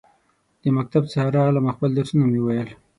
د مکتب څخه راغلم ، او خپل درسونه مې وویل.